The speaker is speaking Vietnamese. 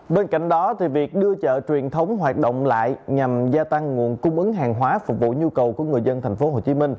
bên cạnh đó việc đưa chợ truyền thống hoạt động lại nhằm gia tăng nguồn cung ứng hàng hóa phục vụ nhu cầu của người dân tp hcm